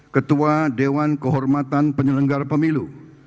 ketua dewan kehormatan penyelenggara pemilu